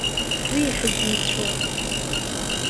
Уи иаҳагьы еицәоуп.